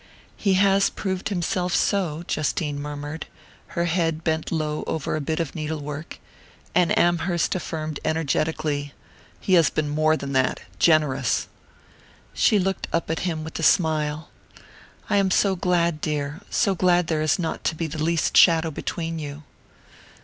"He has proved himself so," Justine murmured, her head bent low over a bit of needlework; and Amherst affirmed energetically: "He has been more than that generous!" She looked up at him with a smile. "I am so glad, dear; so glad there is not to be the least shadow between you...."